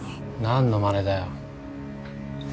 なんのまねだよ。